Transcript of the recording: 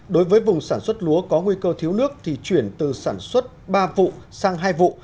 đối với vùng sản xuất lúa có nguy cơ thiếu nước thì chuyển từ sản xuất ba vụ sang hai vụ